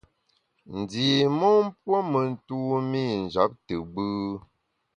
Ndi mon puo me ntumî njap te gbù.